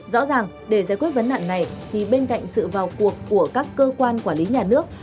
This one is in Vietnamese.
rõ ràng để giải quyết vấn nạn này thì bên cạnh sự vào cuộc của các cơ quan quản lý nhà nước